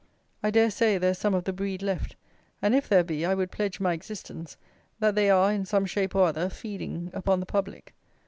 I dare say there is some of the breed left; and, if there be, I would pledge my existence, that they are, in some shape or other, feeding upon the public.